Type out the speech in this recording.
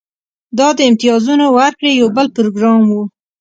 دا د امتیازونو ورکړې یو بل پروګرام و